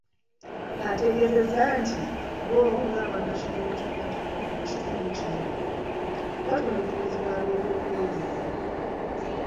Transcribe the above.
Ategeezezza nti bo ng'aba National Unity Platform mu kitundu kino, batulugunyizibwa ab'ebyokwerinda.